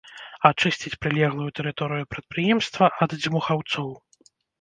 Ачысціць прылеглую тэрыторыю прадпрыемства ад дзьмухаўцоў.